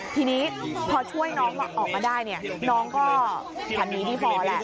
ทีนี้พอช่วยน้องออกมาได้น้องก็ฝันนี้ดีพอแหละ